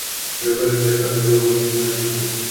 Trebuie respectate două condiții în acest sens.